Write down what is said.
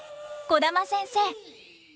児玉先生。